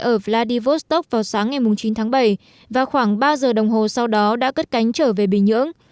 ở vladivostok vào sáng ngày chín tháng bảy và khoảng ba giờ đồng hồ sau đó đã cất cánh trở về bình nhưỡng